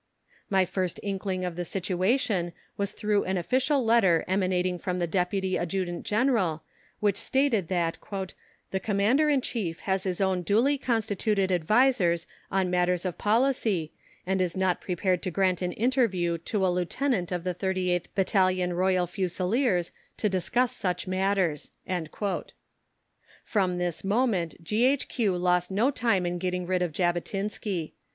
My first inkling of the situation was through an official letter emanating from the Deputy Adjutant General, which stated that "the Commander in Chief has his own duly constituted advisers on matters of policy and is not prepared to grant an interview to a Lieutenant of the 38th Battalion Royal Fusiliers to discuss such matters." From this moment G.H.Q. lost no time in getting rid of Jabotinsky.